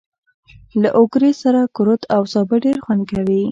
له اوگرې سره کورت او سابه ډېر خوند کوي.